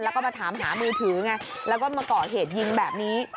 แล้วก็มาถามหามือถือไงแล้วก็มาก่อเหตุยิงแบบนี้